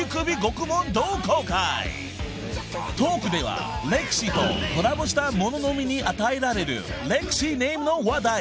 ［トークではレキシとコラボした者のみに与えられるレキシネームの話題へ］